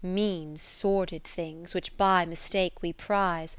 .so (Mean, sordid things, which by mis take we prize.